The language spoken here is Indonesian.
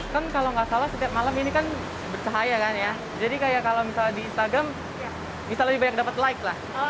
kan kalau nggak salah setiap malam ini kan bercahaya kan ya jadi kayak kalau misalnya di instagram bisa lebih banyak dapat like lah